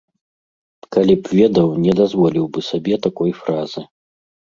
Калі б ведаў, не дазволіў бы сабе такой фразы.